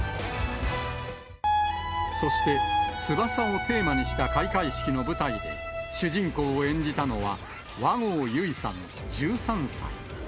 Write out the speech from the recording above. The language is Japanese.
そして、翼をテーマにした開会式の舞台で、主人公を演じたのは、和合由依さん１３歳。